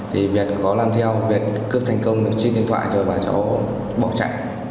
thì việt có làm theo việt cướp thành công trên điện thoại rồi và cháu bỏ chạy